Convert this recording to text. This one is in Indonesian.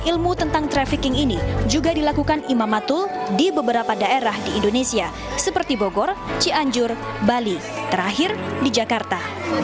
ilmu tentang trafficking ini juga dilakukan imam matul di beberapa daerah di indonesia seperti bogor cianjur bali terakhir di jakarta